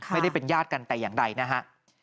ไม่ได้เป็นญาติกันแต่อย่างใดนะฮะ